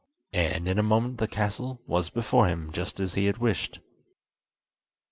And in a moment the castle was before him just as he had wished.